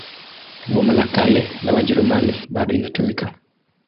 Boma la Kale la Wajerumani bado inatumika.